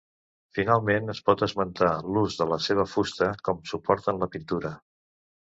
Finalment es pot esmentar l'ús de la seva fusta com suport en la pintura.